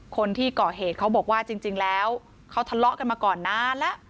คนที่ก่อเหตุเขาบอกว่าจริงแล้วเขาทะเลาะกันมาก่อนนานแล้ว